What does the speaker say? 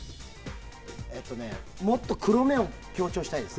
もっと黒目を強調したい。